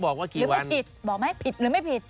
บอกไหมผิดหรือไม่ผิด